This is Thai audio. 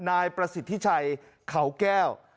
นายประสิทธิชัยเขาแก้ว